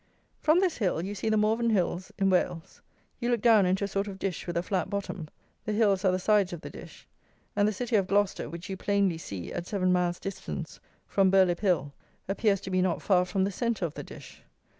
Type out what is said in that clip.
From this hill you see the Morvan Hills in Wales. You look down into a sort of dish with a flat bottom, the Hills are the sides of the dish, and the City of Gloucester, which you plainly see, at seven miles distance from Burlip Hill, appears to be not far from the centre of the dish.